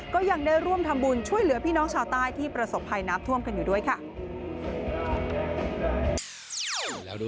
ก็ยังได้ร่วมทำบุญช่วยเหลือพี่น้องชาวใต้ที่ประสบภัยน้ำท่วมกันอยู่ด้วยค่ะ